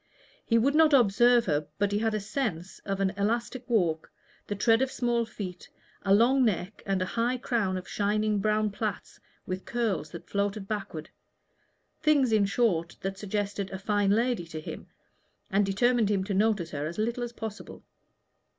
He would not observe her, but he had a sense of an elastic walk, the tread of small feet, a long neck and a high crown of shining brown plaits and curls that floated backward things, in short, that suggested a fine lady to him, and determined him to notice her as little as possible.